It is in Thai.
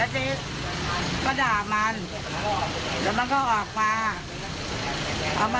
ทรงตังเท่าไหร่ครับ